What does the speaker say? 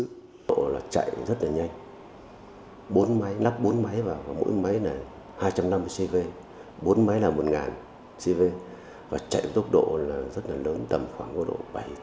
tốc độ là chạy rất là nhanh bốn máy lắp bốn máy vào và mỗi máy là hai trăm năm mươi cv bốn máy là một cv và chạy tốc độ là rất là lớn tầm khoảng có độ bảy mươi tám mươi hải lý một giờ